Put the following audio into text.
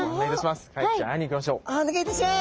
お願いいたします。